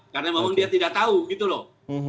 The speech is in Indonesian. karena memang dia tidak tahu gitu loh